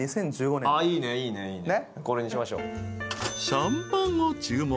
［シャンパンを注文。